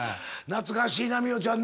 懐かしいな未央ちゃんな。